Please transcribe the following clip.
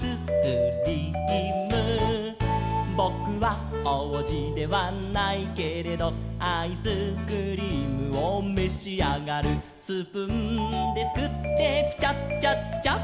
「ぼくはおうじではないけれど」「アイスクリームをめしあがる」「スプーンですくってピチャチャッチャッ」